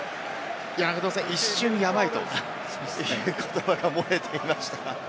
一瞬やばいという言葉が漏れていましたが。